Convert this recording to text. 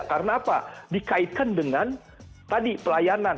karena apa dikaitkan dengan tadi pelayanan